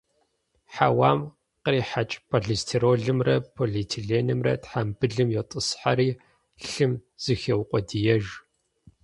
Хьэуам кърихьэкӀ полистиролымрэ полиэтиленымрэ тхьэмбылым йотӀысхьэри, лъым зыхеукъуэдиеж.